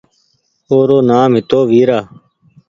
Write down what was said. او رو نآم هتو ويرا